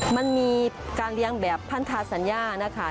มันมีการเลี้ยงแบบพันธาสัญญานะคะ